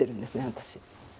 私。